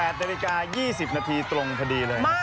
๘นาฬิกา๒๐นาทีตรงพอดีเลย